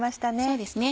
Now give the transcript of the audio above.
そうですね。